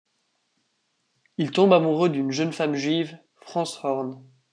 Il tombe amoureux d'une jeune femme juive, France Horn.